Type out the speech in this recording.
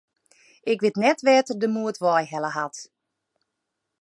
Ik wit net wêr't er de moed wei helle hat.